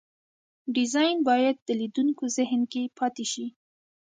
ډیزاین باید د لیدونکو ذهن کې پاتې شي.